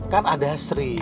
kan ada sri